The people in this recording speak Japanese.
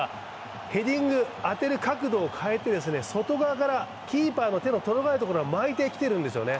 ヘディング、当てる角度を変えて外側からキーパーの手の届かないところに巻いてきてるんですね。